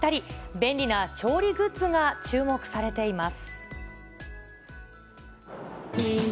便利な調理グッズが注目されています。